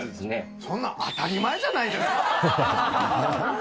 そんなん、当たり前じゃないですか。